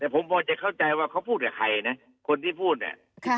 แต่ผมพอจะเข้าใจว่าเขาพูดกับใครนะคนที่พูดเนี่ย